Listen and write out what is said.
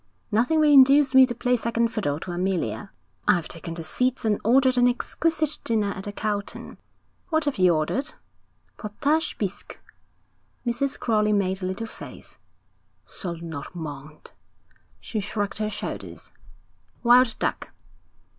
'Nothing will induce me to play second fiddle to Amelia.' 'I've taken the seats and ordered an exquisite dinner at the Carlton.' 'What have you ordered?' 'Potage bisque.' Mrs. Crowley made a little face. 'Sole Normande.' She shrugged her shoulders. 'Wild duck.'